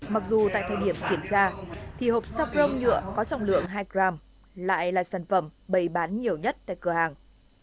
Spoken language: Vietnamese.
mặc dù tại thời điểm kiểm tra thì hộp saprom nhựa có trọng lượng hai gram lại là sản phẩm bày bán nhiều nhất tại cửa hàng